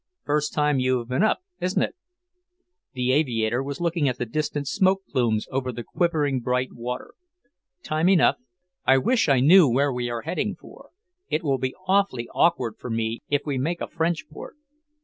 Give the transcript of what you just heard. "First time you've been up, isn't it?" The aviator was looking at the distant smoke plumes over the quivering, bright water. "Time enough. I wish I knew where we are heading for. It will be awfully awkward for me if we make a French port."